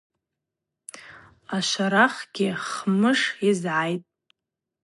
Ашварахгьи Хмыш йызгӏайтӏ.